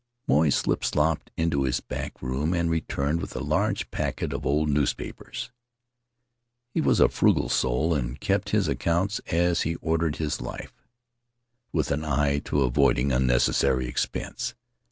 Moy slip slopped into his back room and returned with a large packet of old newspapers. He was a frugal soul and kept his accounts, as he ordered his life Faery Lands of the South Seas — with an eye to avoiding unnecessary expense.